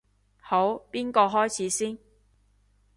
好，邊個開始先？